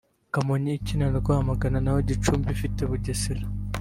Kamonyi ikine na Rwamagana naho Gicumbi ifite Bugesera